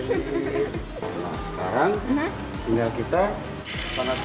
nah sekarang tinggal kita